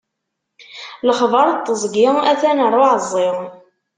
Lexbaṛ n teẓgi, a-t-an ar uɛeẓẓi.